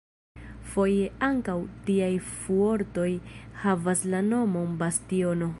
Foje ankaŭ tiaj fuortoj havas la nomon "bastiono".